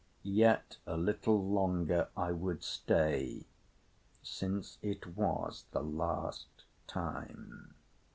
Yet a little longer I would stay since it was the last time.